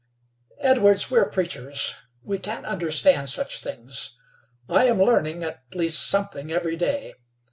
"Edwards, we're preachers. We can't understand such things. I am learning, at least something every day.